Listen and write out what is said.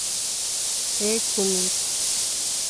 E. Cummings.